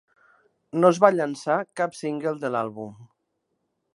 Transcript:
No es va llançar cap single de l'àlbum.